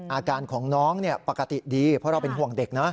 อาการของน้องปกติดีเพราะเราเป็นห่วงเด็กนะ